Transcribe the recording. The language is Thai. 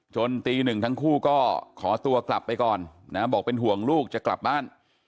ตีหนึ่งทั้งคู่ก็ขอตัวกลับไปก่อนนะบอกเป็นห่วงลูกจะกลับบ้าน